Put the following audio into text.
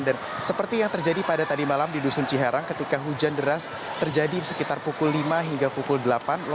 dan seperti yang terjadi pada tadi malam di dusun ciharang ketika hujan deras terjadi sekitar pukul lima hingga pukul delapan